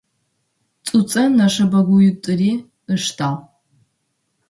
Цуцэ нэшэбэгуитӏури ыштагъ.